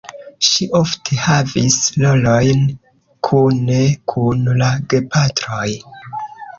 Ŝi ofte havis rolojn kune kun la gepatroj.